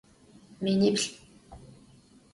Miniplh'.